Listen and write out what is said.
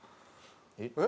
えっ？